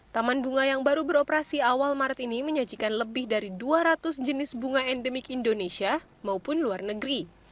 taman bunga yang baru beroperasi awal maret ini menyajikan lebih dari dua ratus jenis bunga endemik indonesia maupun luar negeri